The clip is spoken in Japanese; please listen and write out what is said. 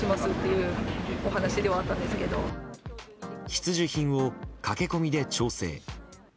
必需品を駆け込みで調整。